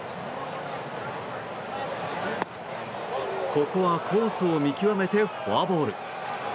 ここはコースを見極めてフォアボール。